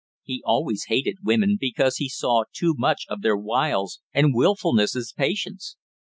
He always hated women, because he saw too much of their wiles and wilfulness as patients.